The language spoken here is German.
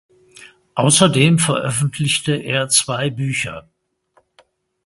Außerdem veröffentlichte er zwei Bücher.